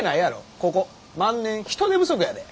ここ万年人手不足やで。